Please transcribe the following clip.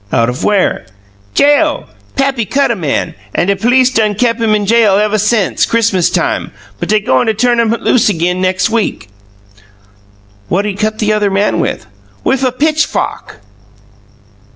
"Out of where?" "Jail. Pappy cut a man, an' de police done kep' him in jail evuh sense Chris'mus time; but dey goin' tuhn him loose ag'in nex' week." "What'd he cut the other man with?" "Wif a pitchfawk."